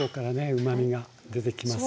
うまみが出てきますが。